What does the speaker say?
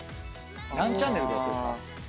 何チャンネルでやってんすか？